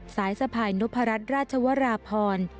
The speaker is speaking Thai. สายสะพายนพรัชราชวราพร